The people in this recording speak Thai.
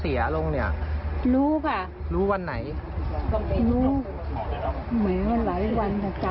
เพื่อนบ้านเปิดเผยข้อมูลของคุณตาคุณยายนะคะ